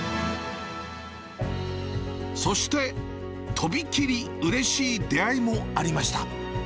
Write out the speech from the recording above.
そして、とびきりうれしい出会いもありました。